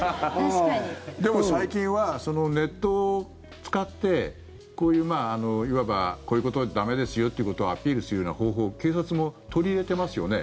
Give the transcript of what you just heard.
でも、最近はネットを使っていわば、こういうことは駄目ですよということをアピールするような方法を警察も取り入れてますよね。